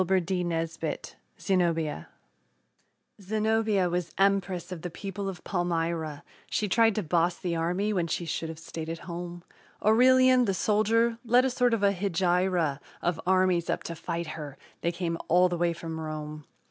ZENOBIA Zenobia was empress of the people of Palmyra; She tried to boss the army when she should have stayed at home. Aurelian, the soldier, led a sort of a hegira Of armies up to fight her they came all the way from Rome.